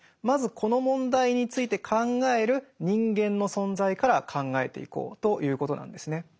まずこの問題について考える人間の存在から考えていこうということなんですね。